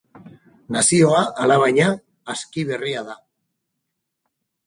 Nazioa, alabaina, aski berria da.